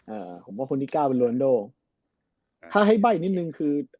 เอ่อผมว่าคนที่เก้าเป็นโรนโดถ้าให้ใบ้นิดนึงคือ